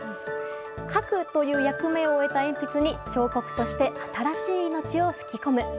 書くという役目を終えた鉛筆に彫刻として新しい命を吹き込む。